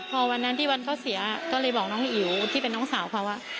พอวันนั้นที่วันเขาเสียก็เลยบอกน้องอิ๋วที่เป็นน้องสาวเขาว่า